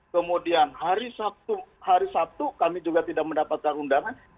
kemudian hari sabtu kami juga tidak mendapatkan undangan